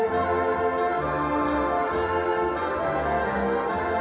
สวัสดีครับ